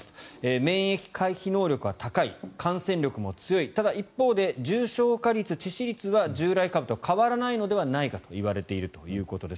免疫回避能力が高い感染力も強いただ、一方で重症化率致死率は従来株と変わらないのではないかといわれているということです。